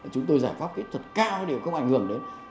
chúng tôi giải pháp kỹ thuật cao đều không ảnh hưởng đến